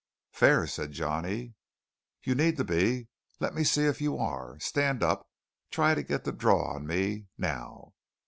"Fair," said Johnny. "You need to be. Let's see if you are. Stand up. Try to get the draw on me. Now!"